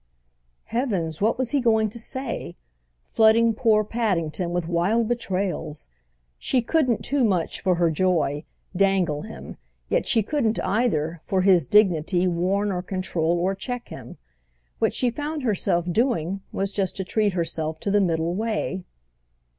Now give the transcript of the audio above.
Heavens, what was he going to say?—flooding poor Paddington with wild betrayals! She couldn't too much, for her joy, dangle him, yet she couldn't either, for his dignity, warn or control or check him. What she found herself doing was just to treat herself to the middle way.